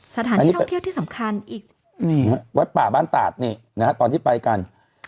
สถานที่ท่องเที่ยวที่สำคัญอีกวัดป่าบ้านตาดนี่นะฮะตอนที่ไปกัน